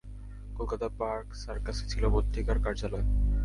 কলকাতার পার্ক সার্কাসে ছিল পত্রিকার কার্যালয়।